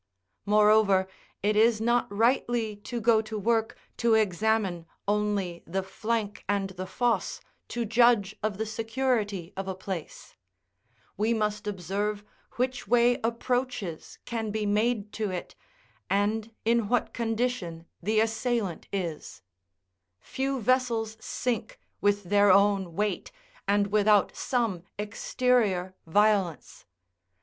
Moreover, it is not rightly to go to work, to examine only the flank and the foss, to judge of the security of a place; we must observe which way approaches can be made to it, and in what condition the assailant is: few vessels sink with their own weight, and without some exterior violence.